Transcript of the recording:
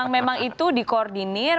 memang itu dikoordinir